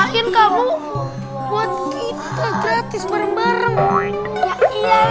yakin kamu buat kita gratis bareng bareng